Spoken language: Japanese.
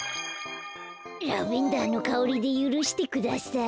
ラベンダーのかおりでゆるしてください。